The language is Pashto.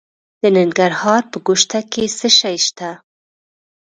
د ننګرهار په ګوشته کې څه شی شته؟